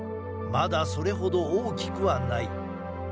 まだ、それ程大きくはない。